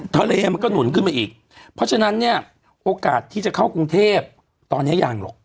มันก็หนุนขึ้นมาอีกเพราะฉะนั้นเนี่ยโอกาสที่จะเข้ากรุงเทพตอนนี้ยังหรอก